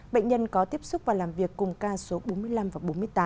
bệnh nhân có tiếp xúc và làm việc cùng ca số bốn mươi năm và bốn mươi tám